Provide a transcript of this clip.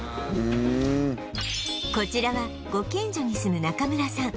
こちらはご近所に住む中村さん